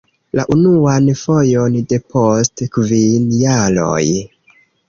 La unuan fojon depost kvin jaroj!